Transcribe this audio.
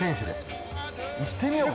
行ってみようか。